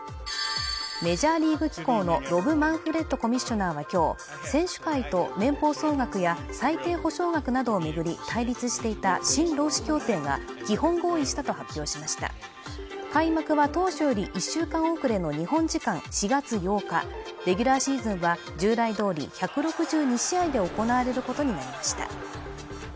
メジャーリーグ機構のロブ・マンフレッドコミッショナーはきょう選手会と年俸総額や最低保障額などを巡り対立していた新労使協定が基本合意したと発表しました開幕は当初より１週間遅れの日本時間４月８日レギュラーシーズンは従来通り１６２試合で行われることになりました